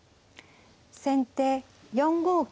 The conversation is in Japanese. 先手４五金。